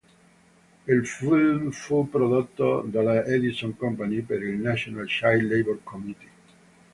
Il film fu prodotto dalla Edison Company per il National Child Labor Committee.